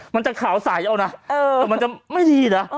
มันจะขาวใสเอานะแต่มันจะไม่ดีนะ